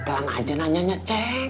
aduh pelan pelan aja nanya nyanya ceng